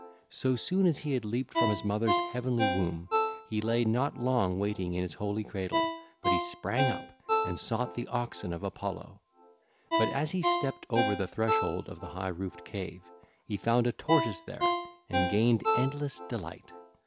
So soon as he had leaped from his mother's heavenly womb, he lay not long waiting in his holy cradle, but he sprang up and sought the oxen of Apollo. But as he stepped over the threshold of the high roofed cave, he found a tortoise there and gained endless delight.